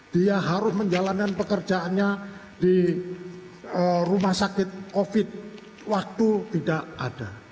dia harus menjalankan pekerjaannya di rumah sakit covid waktu tidak ada